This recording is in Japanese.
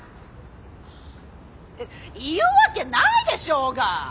言うわけないでしょうが！